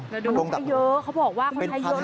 มันต้องใช้เยอะเขาบอกว่าควรใช้เยอะ